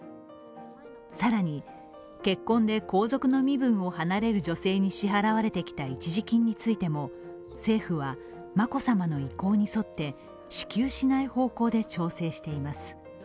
更に、結婚で皇族の身分を離れる女性に支払われてきた一時金についても政府は眞子さまの意向に沿って支給しない方向で調整しています。